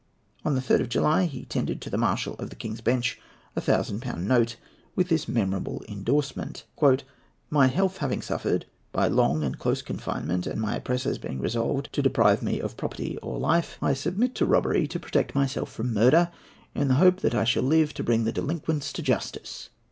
On the 3rd of July he tendered to the Marshal of the King's Bench a 1000£ note, with this memorable endorsement: "My health having suffered by long and close confinement, and my oppressors being resolved to deprive me of property or life, I submit to robbery to protect myself from murder, in the hope that I shall live to bring the delinquents to justice."